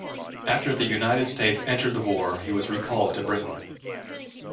After the United States entered the war, he was recalled to Britain.